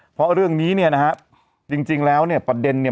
เพราะเรื่องนี้เนี่ยนะฮะจริงแล้วเนี่ยประเด็นเนี่ย